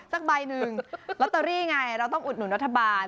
สักใบหนึ่งลอตเตอรี่ไงเราต้องอุดหนุนรัฐบาล